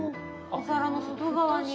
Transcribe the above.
お皿の外側に。